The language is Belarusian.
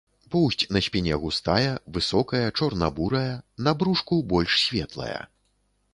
Поўсць на спіне густая, высокая, чорна-бурая, на брушку больш светлая.